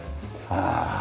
ああ！